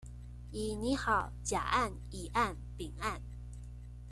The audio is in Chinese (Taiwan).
已擬好甲案乙案丙案